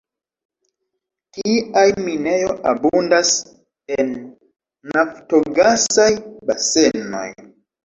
Tiaj minejo abundas en naftogasaj basenoj.